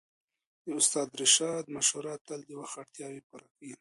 د استاد رشاد مشوره تل د وخت اړتياوې پوره کوي.